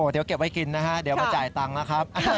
เดี๋ยวเก็บไว้กินนะฮะเดี๋ยวมาจ่ายตังค์นะครับ